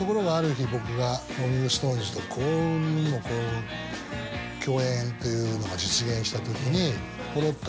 日僕がローリング・ストーンズと幸運にも幸運共演というのが実現した時にポロっと。